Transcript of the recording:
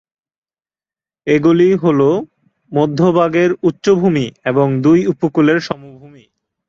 এগুলি হল মধ্যভাগের উচ্চভূমি এবং দুই উপকূলের সমভূমি।